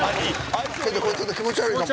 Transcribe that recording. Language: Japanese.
気持ち悪いな。